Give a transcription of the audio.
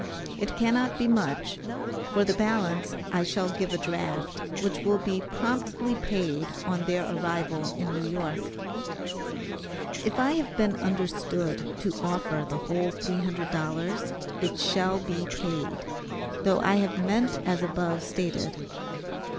It cannot be much; for the balance, I shall give a draft, which will be promptly paid on their arrival in New York. If I have been understood to offer the whole $300, it shall be paid, though I have meant as above stated.